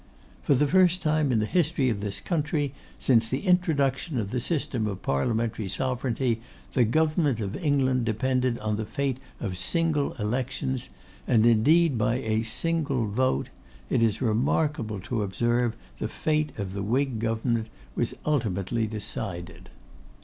For the first time in the history of this country since the introduction of the system of parliamentary sovereignty, the Government of England depended on the fate of single elections; and indeed, by a single vote, it is remarkable to observe, the fate of the Whig Government was ultimately decided.